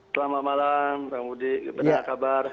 selamat malam pak budi apa kabar